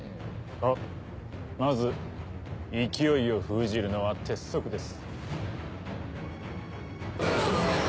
はっまず勢いを封じるのは鉄則です。